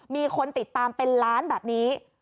มีคนติดตามเป็นล้านแบบนี้